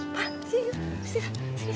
pak sini sini